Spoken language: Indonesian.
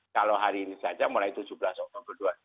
kalau hari ini saja mulai tujuh belas oktober